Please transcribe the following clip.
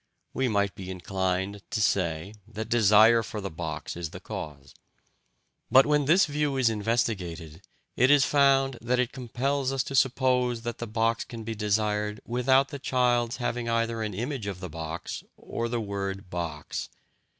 We might be inclined to say that desire for the box is the cause. But when this view is investigated, it is found that it compels us to suppose that the box can be desired without the child's having either an image of the box or the word "box."